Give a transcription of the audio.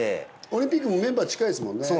オリンピックにメンバー近いですもんね。